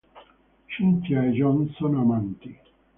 Cynthia e John sono amanti.